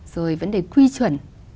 rồi vấn đề quy chuẩn